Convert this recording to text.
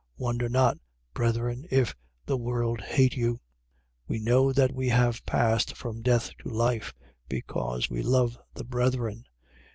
3:13. Wonder not, brethren, if the world hate you. 3:14. We know that we have passed from death to life, because we love the brethren.